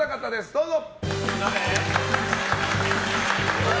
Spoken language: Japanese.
どうぞ。